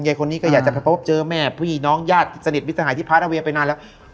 คนนี้ก็อยากจะไปพบเจอแม่ผู้หญิงน้องญาติสนิทมิสหายที่พาราเวียไปนานแล้ว